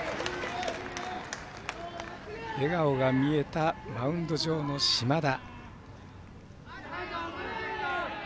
笑顔が見えたマウンド上の島田。